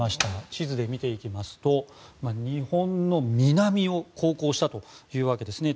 地図で見ていきますと日本の南を航行したというわけですね。